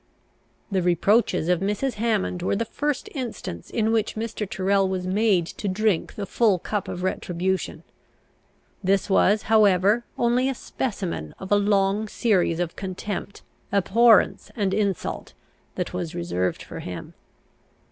The reproaches of Mrs. Hammond were the first instance in which Mr. Tyrrel was made to drink the full cup of retribution. This was, however, only a specimen of a long series of contempt, abhorrence, and insult, that was reserved for him.